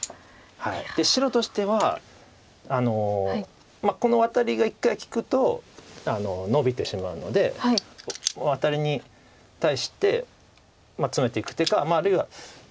で白としてはこのワタリが一回利くとのびてしまうのでワタリに対してツメていく手かあるいはどうでしょうか。